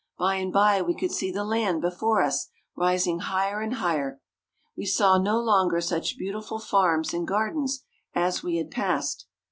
By and by we could see the land before us rising higher and higher. We saw no longer such beautiful farms and gardens as we had passed.